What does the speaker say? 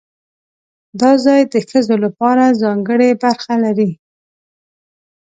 دا ځای د ښځو لپاره ځانګړې برخه لري.